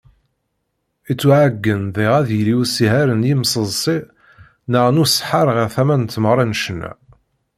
Yettuɛeggen diɣ ad yili usiher n yimseḍsi neɣ n useḥḥar ɣer tama n tmeɣra n ccna.